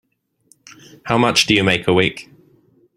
How much do you make a week?